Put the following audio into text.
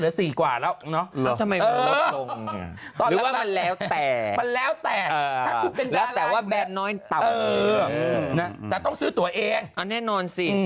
หรือว่ามันแล้วแต่แล้วแต่ว่าแบบน้อยต่อแต่ต้องซื้อตัวเองอันแน่นอนสิ